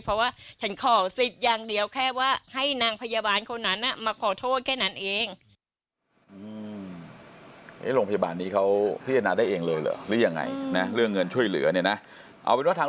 เพราะว่าฉันขอสิทธิ์อย่างเดียวแค่ว่าให้นางพยาบาลคนนั้นมาขอโทษแค่นั้นเอง